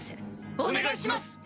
お願いします！